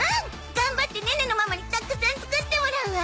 頑張ってネネのママにたくさん作ってもらうわ！